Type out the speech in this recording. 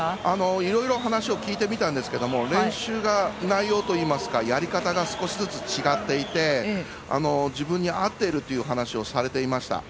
いろいろ話は聞いてみたんですが練習のやり方が少しずつ違っていて自分に合っているという話をされていました。